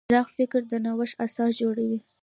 پراخ فکر د نوښت اساس جوړوي.